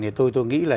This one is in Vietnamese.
thì tôi nghĩ là